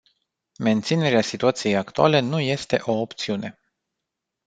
Menținerea situației actuale nu este o opțiune.